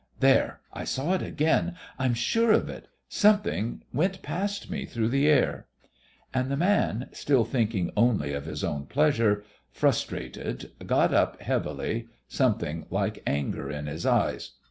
"There! I saw it again. I'm sure of it. Something went past me through the air." And the man, still thinking only of his own pleasure frustrated, got up heavily, something like anger in his eyes.